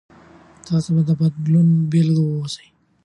تاسو د بدلون بیلګه اوسئ.